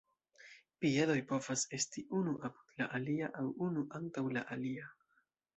Piedoj povas esti unu apud la alia aŭ unu antaŭ la alia.